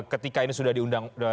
ketika ini sudah diundang